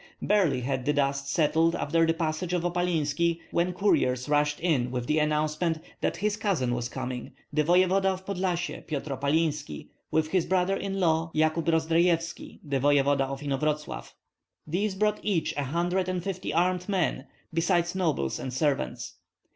Barely had the dust settled after the passage of Opalinski when couriers rushed in with the announcement that his cousin was coming, the voevoda of Podlyasye, Pyotr Opalinski, with his brother in law Yakob Rozdrajevski, the voevoda of Inovratslav. These brought each a hundred and fifty armed men, besides nobles and servants.